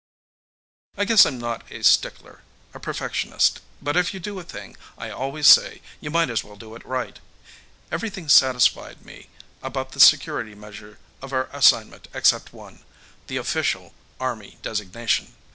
] I guess I'm just a stickler, a perfectionist, but if you do a thing, I always say, you might as well do it right. Everything satisfied me about the security measures on our assignment except one the official Army designation.